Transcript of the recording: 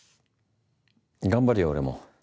頑張るよ俺も。